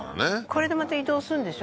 これでまた移動するんでしょ？